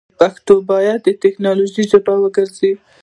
پښتو باید دټیکنالوژۍ ژبه وګرځوو.